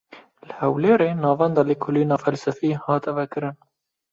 Li Hewlêrê, Navenda Lêkolîna Felsefî hate vekirin